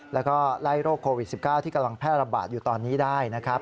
แล้วก็ไล่โรคโควิด๑๙ที่กำลังแพร่ระบาดอยู่ตอนนี้ได้นะครับ